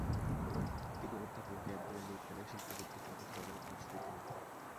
তিনি অধ্যাপক গ্যাব্রিয়েল লিপম্যানের শিল্পভিত্তিক গবেষণাগারে কাজ শুরু করেন।